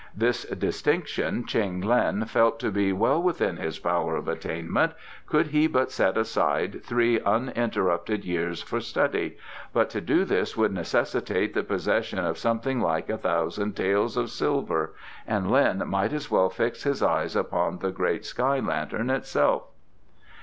This distinction Cheng Lin felt to be well within his power of attainment could he but set aside three uninterrupted years for study, but to do this would necessitate the possession of something like a thousand taels of silver, and Lin might as well fix his eyes upon the great sky lantern itself.